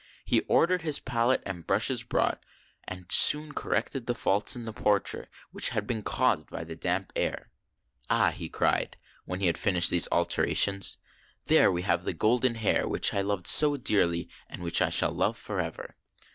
He ordered his palette and brushes brought, and soon corrected the faults in the portrait which had been caused by the damp air. " Ah !" he cried, when he had finished these alterations. " There we have the golden hair which I loved so dearly, and which I shall love forever."